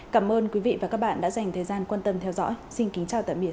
cảm ơn quý vị và các bạn đã dành thời gian quan tâm theo dõi xin kính chào tạm biệt